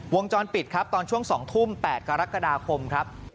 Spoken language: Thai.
วงจรปิดครับตอนช่วง๒ทุ่ม๘กรกฎาคมครับ